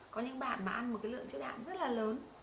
có những bạn mà ăn một cái lượng chất hạn rất là lớn